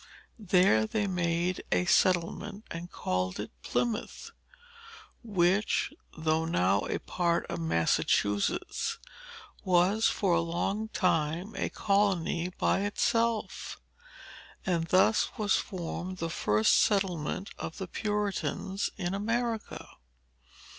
There they made a settlement, and called it Plymouth; which, though now a part of Massachusetts, was for a long time a colony by itself. And thus was formed the earliest settlement of the Puritans in America.